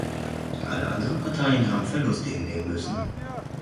Alle anderen Parteien haben Verluste hinnehmen müssen.